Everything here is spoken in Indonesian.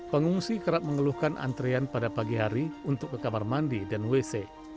pengungsi kerap mengeluhkan antrian pada pagi hari untuk ke kamar mandi dan wc